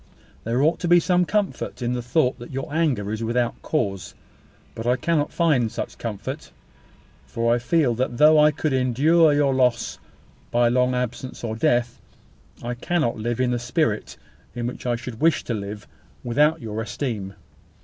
There ought to be some comfort in the thought that your anger is without cause: but I cannot find such comfort; for I feel that though I could endure your loss by long absence or death, I cannot live in the spirit in which I should wish to live, without your esteem.